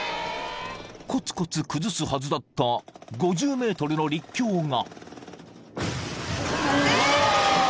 ［こつこつ崩すはずだった５０ｍの陸橋が］